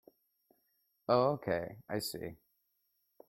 Oh okay, I see.